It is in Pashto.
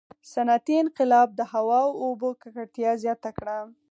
• صنعتي انقلاب د هوا او اوبو ککړتیا زیاته کړه.